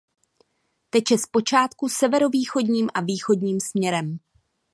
Teče zpočátku severovýchodním a východním směrem.